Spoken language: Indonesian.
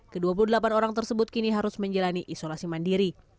ke dua puluh delapan orang tersebut kini harus menjalani isolasi mandiri